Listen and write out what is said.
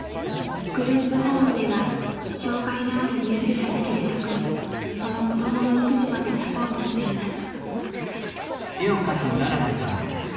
グループホームでは障害のある入居者だけでなくその子どもの育児までサポートしています。